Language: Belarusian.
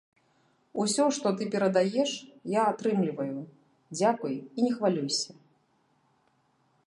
Усё, што ты перадаеш, я атрымліваю, дзякуй і не хвалюйся.